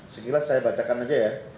sekilas saya bacakan aja ya